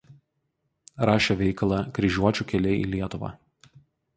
Rašė veikalą „Kryžiuočių keliai į Lietuvą“.